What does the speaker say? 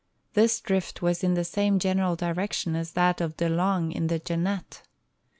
This drift was in the same general direction as that of De Long in the Jeannette.